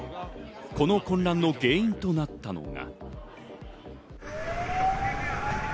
この混乱の原因となったのが。